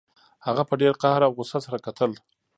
هغه په ډیر قهر او غوسه سره کتل